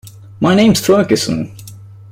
My name's Ferguson.